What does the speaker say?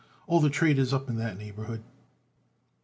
All the trade is up in that neighborhood."